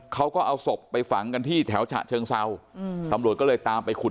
เขาก็เอาศพไปฝังกันที่แถวฉะเชิงเศร้าตำรวจก็เลยตามไปขุด